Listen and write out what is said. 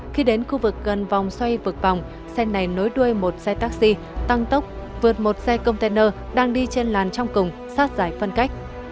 khi đến khu vực gần vòng xoay vực vòng xe này nối đuôi một xe taxi tăng tốc vượt một xe container đang đi trên làn trong cùng sát giải phân cách